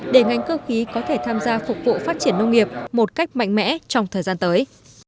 để ngành cơ khí có thể tham gia phục vụ phát triển nông nghiệp một cách mạnh mẽ trong thời gian tới